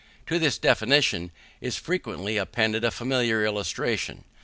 To this definition is frequently appended a familiar illustration.